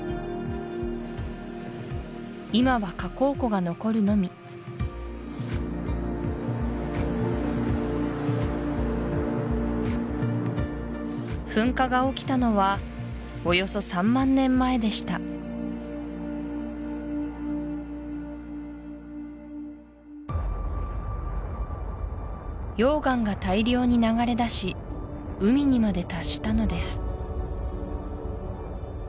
今は火口湖が残るのみ噴火が起きたのはおよそ３万年前でした溶岩が大量に流れ出し海にまで達したのです